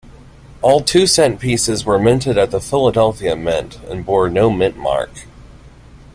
All two-cent pieces were minted at the Philadelphia Mint, and bore no mint mark.